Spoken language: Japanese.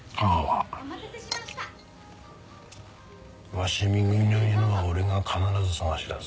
鷲見組の犬は俺が必ず捜し出す。